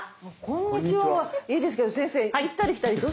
「こんにちは」はいいですけど先生行ったり来たりどうしたんですか？